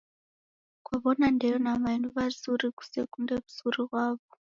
Kaw'ona ndeyo na mayo ni w'azuri kusekunde w'uzuri ghwaw'o.